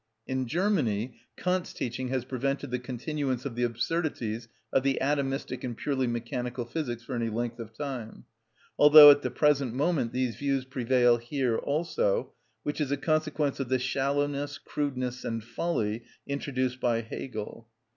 In Germany Kant's teaching has prevented the continuance of the absurdities of the atomistic and purely mechanical physics for any length of time; although at the present moment these views prevail here also, which is a consequence of the shallowness, crudeness, and folly introduced by Hegel.